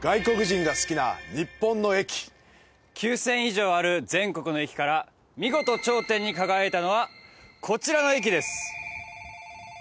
磯村：９０００以上ある全国の駅から見事、頂点に輝いたのはこちらの駅です！